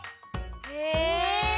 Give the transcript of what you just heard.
へえ。